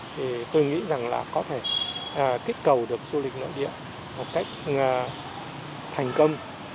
thì tôi nghĩ rằng là có thể kích cầu được du lịch nội địa một cách thành công